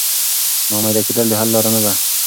نا امیده کېدل د حل لاره نه ده.